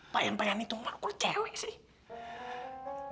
payan payan itu mah gue cewek sih